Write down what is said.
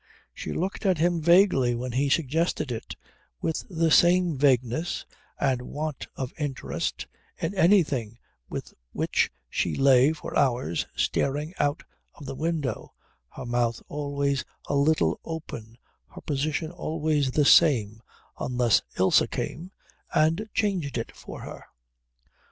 She looked at him vaguely when he suggested it, with the same vagueness and want of interest in anything with which she lay for hours staring out of the window, her mouth always a little open, her position always the same, unless Ilse came and changed it for her.